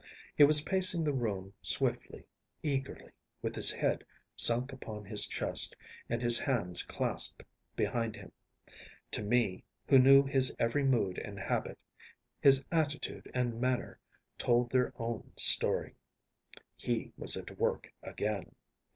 He was pacing the room swiftly, eagerly, with his head sunk upon his chest and his hands clasped behind him. To me, who knew his every mood and habit, his attitude and manner told their own story. He was at work again.